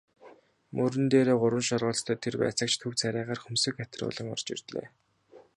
Мөрөн дээрээ гурван шоргоолжтой тэр байцаагч төв царайгаар хөмсөг атируулан орж ирлээ.